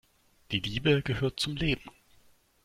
Die Liebe gehört zum Leben.